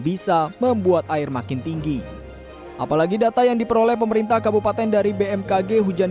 bisa membuat air makin tinggi apalagi data yang diperoleh pemerintah kabupaten dari bmkg hujan